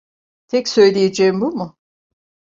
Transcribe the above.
Tek söyleyeceğin bu mu?